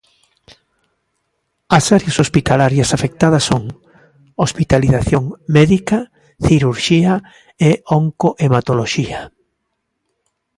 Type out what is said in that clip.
As áreas hospitalarias afectadas son: hospitalización médica, cirurxía e oncohematoloxía.